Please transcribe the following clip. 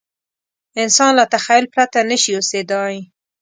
انسان له تخیل پرته نه شي اوسېدای.